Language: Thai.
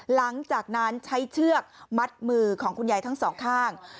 หลังจากนั้นใช้เชือกมัดมือของคุณยายทั้งสองข้าง